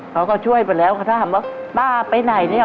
เขาก็ช่วยไปแล้วเขาถ้าถามว่าป้าไปไหนเนี่ย